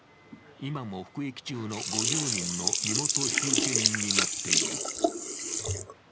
今も服役中の５０人の身元引受人になっている。